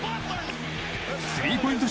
スリーポイント